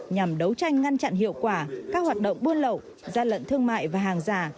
nhằm đấu tranh ngăn chặn hiệu quả các hoạt động buôn lậu gian lận thương mại và hàng giả